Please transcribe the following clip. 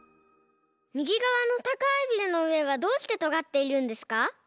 みぎがわのたかいビルのうえがどうしてとがっているんですか？